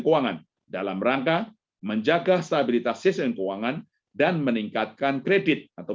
keuangan dalam rangka menjaga stabilitas sistem keuangan dan meningkatkan kredit atau